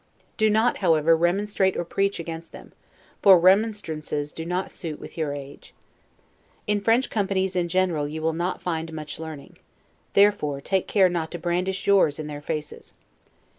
Do not, however, remonstrate or preach against them, for remonstrances do not suit with your age. In French companies in general you will not find much learning, therefore take care not to brandish yours in their faces.